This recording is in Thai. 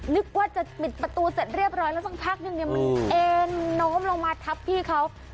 นึกว่าจะปิดประตูเสร็จเรียบร้อยแล้วสักพักนึงเนี่ยมันเอ็นโน้มลงมาทับพี่เขา